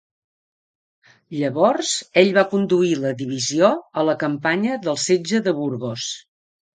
Llavors, ell va conduir la divisió a la campanya del Setge de Burgos.